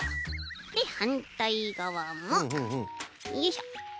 ではんたいがわもよいしょ。